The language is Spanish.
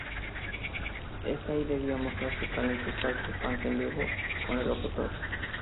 Este ahí debía mostrar sus talentos, participando en vivo con el locutor.